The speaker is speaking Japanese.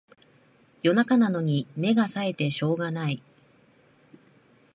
夜中なのに目がさえてしょうがない